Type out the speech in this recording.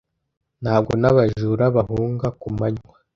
ntabwo n'abajura bahunga ku manywa